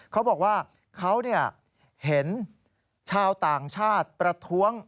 เขาบอกว่าเขาเห็นชาวต่างชาติประท้วง